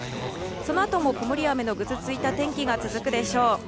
そのあとも曇りや雨のぐずついた天気が続くでしょう。